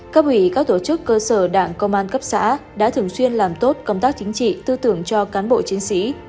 cấp ủy các tổ chức cơ sở đảng công an cấp xã đã thường xuyên làm tốt công tác chính trị tư tưởng cho cán bộ chiến sĩ